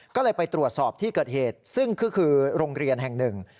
ก็เลยไปตรวจสอบที่เกิดเหตุซึ่งก็คือโรงเรียนแห่งหนึ่ง